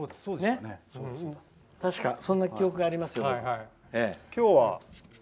確かそんな記憶がありますよ、僕。